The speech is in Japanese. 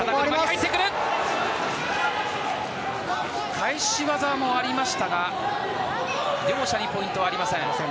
返し技もありましたが両者にポイントはありません。